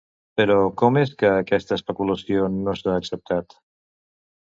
Però, com és que aquesta especulació no s'ha acceptat?